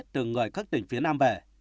từ người các tỉnh phía nam bể